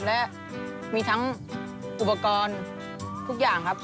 และมีทั้งอุปกรณ์ทุกอย่างครับ